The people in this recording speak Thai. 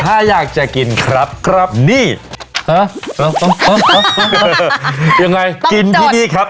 ถ้าอยากจะกินครับครับนี่ฮะยังไงกินที่นี่ครับ